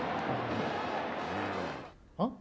あっ？